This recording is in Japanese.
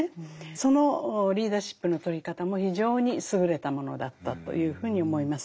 そのリーダーシップの取り方も非常に優れたものだったというふうに思います。